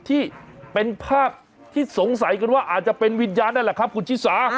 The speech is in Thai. ที่เป็นภาพที่สงสัยกันว่าอาจจะเป็นวิญญาณนั่นแหละครับคุณชิสา